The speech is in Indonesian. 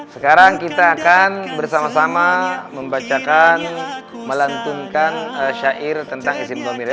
sekarang kita akan bersama sama membacakan melantunkan syair tentang izin pemilihan